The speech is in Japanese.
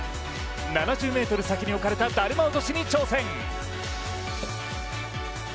７０ｍ先に置かれただるま落としに挑戦。